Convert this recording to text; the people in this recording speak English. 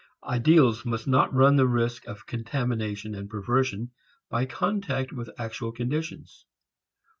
Ideals must not run the risk of contamination and perversion by contact with actual conditions.